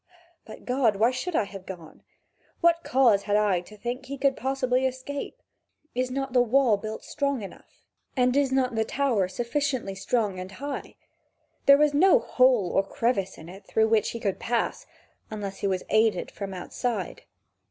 But, God, why should I have gone? What cause had I to think that he could possibly escape? Is not the wall built strong enough, and is not the tower sufficiently strong and high? There was no hole or crevice in it, through which he could pass, unless he was aided from outside.